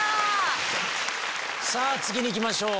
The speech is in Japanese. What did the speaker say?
さぁ次にいきましょう。